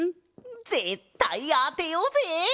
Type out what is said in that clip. ぜったいあてようぜ！